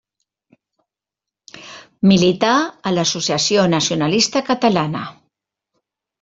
Milità a l'Associació Nacionalista Catalana.